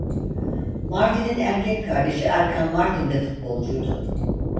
Martin'in erkek kardeşi Erkan Martin de futbolcuydu.